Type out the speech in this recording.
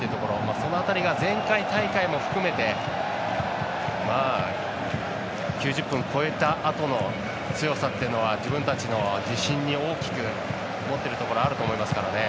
その辺りが前回大会も含めて９０分超えた辺りの強さというところ自分たちの自信に大きく持っているところがあると思いますけどね。